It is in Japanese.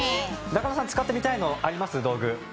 中野さん使ってみたいのあります？